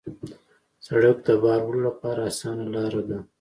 سړک د بار وړلو لپاره اسانه لاره ده.